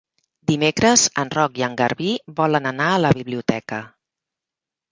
Dimecres en Roc i en Garbí volen anar a la biblioteca.